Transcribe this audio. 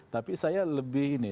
tapi saya lebih ini